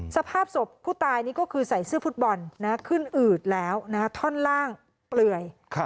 สภาพศพผู้ตายนี่ก็คือใส่เสื้อฟุตบอลขึ้นอืดแล้วท่อนล่างเปลื่อย